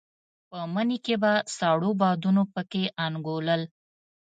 په مني کې به سړو بادونو په کې انګولل.